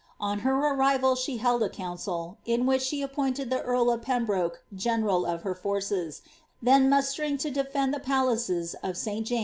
On her arrival, she held a council, in which she appointed the earl of Pembroke general of her forces, then mustering to defend Uie palaces of St James and Whitehall.